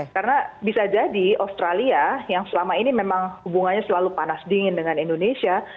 karena bisa jadi australia yang selama ini memang hubungannya selalu panas dingin dengan indonesia